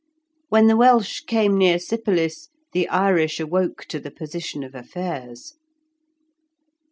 When the Welsh came near Sypolis, the Irish awoke to the position of affairs.